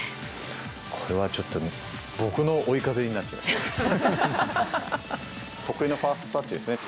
これはちょっと、僕の追い風になってきました。